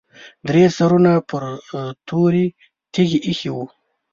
درې سرونه پر تورې تیږې ایښي وو.